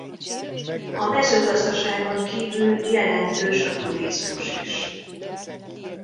A mezőgazdaságon kívül jelentős a turizmus is.